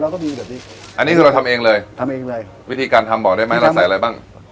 อันนี้คือเราทำเองเลยวิธีการทำบอกได้ไหมเราใส่อะไรบ้าง